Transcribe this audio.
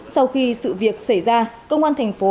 sau khi sự việc xảy ra công an thành phố